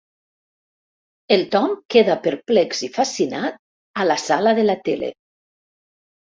El Tom queda perplex i fascinat a la sala de la tele.